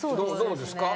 どうですか？